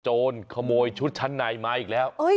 โจรขโมยชุดชั้นในมาอีกแล้ว